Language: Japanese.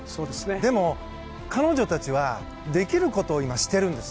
でも彼女たちは、できることを今しているんです。